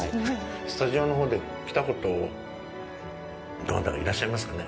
スタジオのほうで来たことどなたかいらっしゃいますかね。